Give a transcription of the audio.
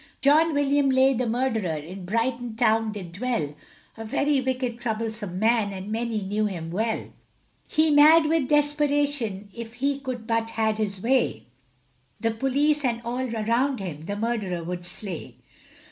John William Leigh, the murderer, In Brighton town did dwell, A very wicked troublesome man, And many knew him well; He, mad with desperation, If he could but had his way, The police, and all around him, The murderer would slay.